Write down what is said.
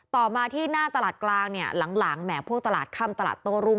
ต่อมาที่หน้าตลาดกลางเนี่ยหลังแหมพวกตลาดค่ำตลาดโต้รุ่ง